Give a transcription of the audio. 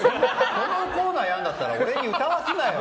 このコーナーやるんだったら俺に歌わすなよ！